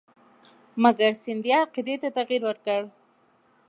مګر سیندهیا عقیدې ته تغیر ورکړ.